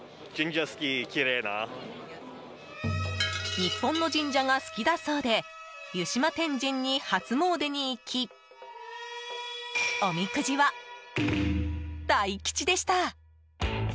日本の神社が好きだそうで湯島天神に初詣に行きおみくじは、大吉でした。